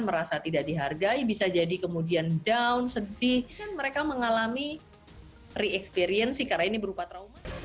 merasa tidak dihargai bisa jadi kemudian down sedih mereka mengalami re experience karena ini berupa trauma